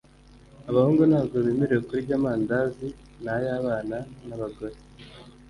abahungu ntabwo bemerewe kurya amandazi nayabana na bagore